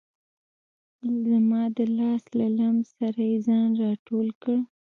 زما د لاس له لمس سره یې ځان را ټول کړ.